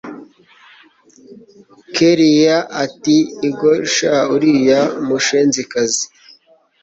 kellia ati igo shn uriya mushenzikazi